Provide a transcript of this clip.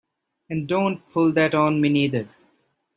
And don't pull that on me neither!